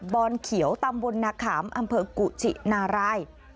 อนเขียวตำบลนาขามอำเภอกุชินาราย